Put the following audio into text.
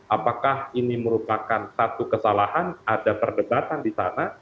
apakah ini merupakan satu kesalahan ada perdebatan di sana